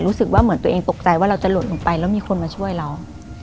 รู้สึกว่าเหมือนตัวเองตกใจว่าเราจะหล่นลงไปแล้วมีคนมาช่วยเรา